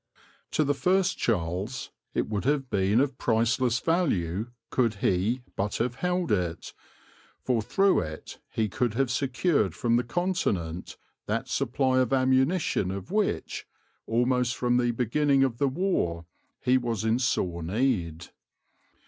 To the first Charles it would have been of priceless value could he but have held it, for through it he could have secured from the Continent that supply of ammunition of which, almost from the beginning of the war, he was in sore need.